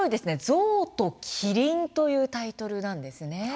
「ゾウとキリン」というタイトルなんですね。